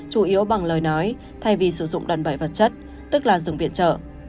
chủ yếu bằng lời nói thay vì sử dụng đòn bẩy vật chất tức là dùng viện trợ